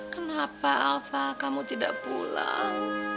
kenapa alpha kamu tidak pulang